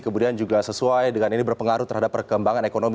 kemudian juga sesuai dengan ini berpengaruh terhadap perkembangan ekonomi